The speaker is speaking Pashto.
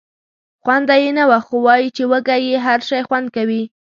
خونده یې نه وه خو وایي چې وږی یې هر شی خوند کوي.